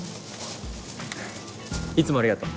いつもありがとう。